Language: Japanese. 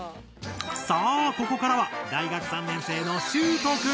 さあここからは大学３年生のしゅうと君！